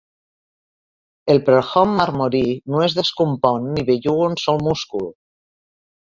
El prohom marmori no es descompon ni belluga un sol múscul.